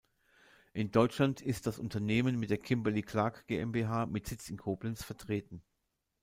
In Deutschland ist das Unternehmen mit der Kimberly-Clark GmbH mit Sitz in Koblenz vertreten.